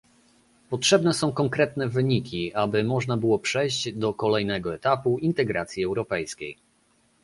Potrzebne są konkretne wyniki, aby można było przejść do kolejnego etapu integracji europejskiej